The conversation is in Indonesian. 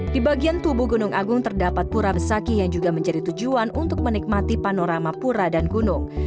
di bagian tubuh gunung agung terdapat pura besakih yang juga menjadi tujuan untuk menikmati panorama pura dan gunung